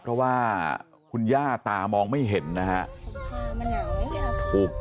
เพราะว่าคุณย่าตามองไม่เห็นนะฮะ